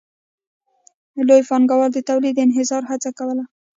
لوی پانګوال د تولید د انحصار هڅه کوله